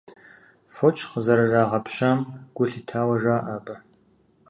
Фоч къызэрырагъэпщами гу лъитауэ жаӏэ абы.